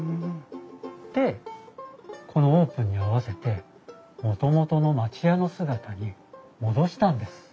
でこのオープンに合わせてもともとの町家の姿に戻したんです。